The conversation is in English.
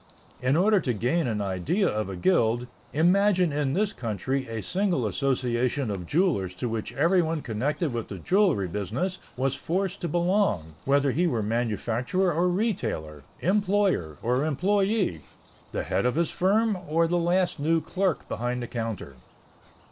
In order to gain an idea of a guild, imagine in this country a single association of jewelers to which everyone connected with the jewelry business was forced to belong, whether he were manufacturer or retailer, employer, or employee, the head of his firm or the last new clerk behind the counter.